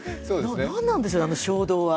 なんなんでしょう、あの衝動は。